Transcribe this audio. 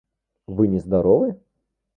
Вы нездоровы?